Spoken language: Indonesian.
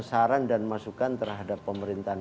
saran dan masukan terhadap pemerintahan